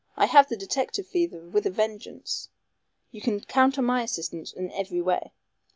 I have the detective fever with a vengeance. You can count on my assistance in every way."